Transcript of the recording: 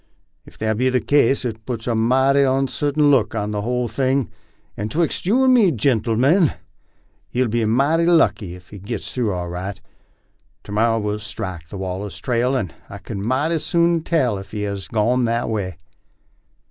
Ef that be the case, it puts a mighty onsartain look on the whole thing, and twixt you and me, gentlemen, he'll be mighty lucky ef he gits through all right. To morrow we'll strike the Wallace trail, and I kin mighty soon tell ef he has gone that way."